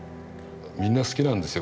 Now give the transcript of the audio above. みんな好きなんですよ